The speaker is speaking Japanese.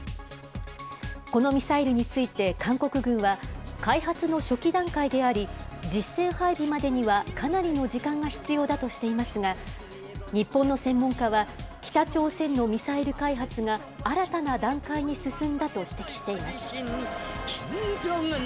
このミサイルについて韓国軍は、開発の初期段階であり、実戦配備までにはかなりの時間が必要だとしていますが、日本の専門家は、北朝鮮のミサイル開発が新たな段階に進んだと指摘しています。